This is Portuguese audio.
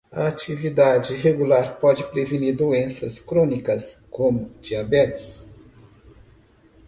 A atividade regular pode prevenir doenças crônicas, como diabetes.